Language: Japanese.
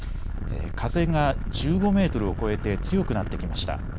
風が１５メートルを超えて強くなってきました。